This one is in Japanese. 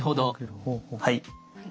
はい。